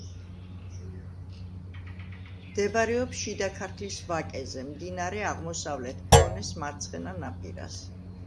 მდებარეობს შიდა ქართლის ვაკეზე, მდინარე აღმოსავლეთ ფრონეს მარცხენა ნაპირას.